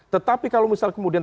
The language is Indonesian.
tetapi kalau misal kemudian